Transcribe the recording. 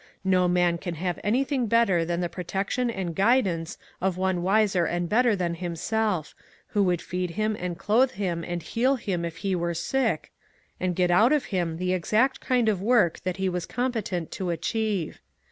No man can have anything better than the protection and guidance of one wiser and better than himself, who would feed him and clothe him and heal him if he were sick, and get out of him the exact kind of work that he was competent to achieve.